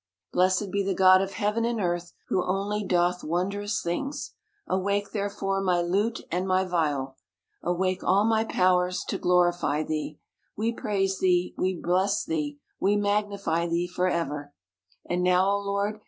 Blessed be the God of heaven and earth, who only doth wondrous things. Awake, therefore, my lute and my viol ! awake all my powers to glorify thee ! We praise thee, we bless thee, we magnify thee for ever. And now, Lord